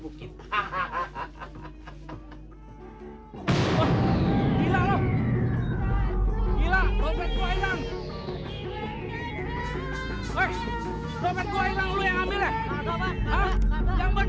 udah sekarang gabda tumbang tumbang